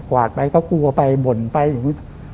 วาดไปก็กลัวไปบ่นไปอย่างนี้